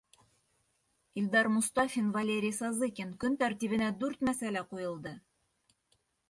Илдар МОСТАФИН, Валерий СОЗЫКИН, Көн тәртибенә дүрт мәсьәлә ҡуйылды.